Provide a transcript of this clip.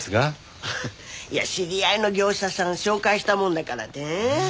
いや知り合いの業者さん紹介したもんだからね。